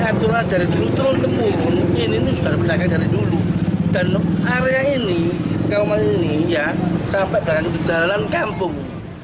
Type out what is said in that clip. dan area ini kauman ini ya sampai berjalan kampung